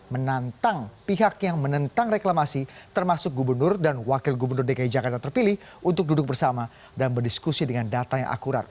menantang pihak yang menentang reklamasi termasuk gubernur dan wakil gubernur dki jakarta terpilih untuk duduk bersama dan berdiskusi dengan data yang akurat